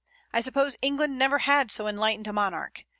I suppose England never had so enlightened a monarch.